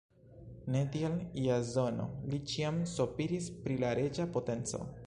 Ne tiel Jazono, li ĉiam sopiris pri la reĝa potenco.